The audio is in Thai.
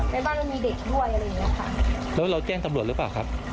ในบ้านเรามีเด็กด้วยอะไรอย่างเงี้ยค่ะแล้วเราแจ้งตำรวจหรือเปล่าครับ